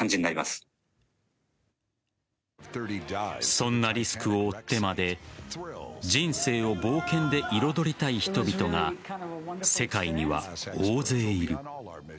そんなリスクを負ってまで人生を冒険で彩りたい人々が世界には大勢いる。